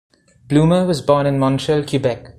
Blumer was born in Montreal, Quebec.